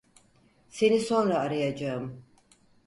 Seni sonra arayacağım.